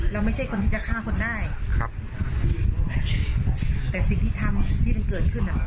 ไม่ใช่คนที่จะฆ่าคนได้ครับแต่สิ่งที่ทำที่มันเกิดขึ้นอ่ะ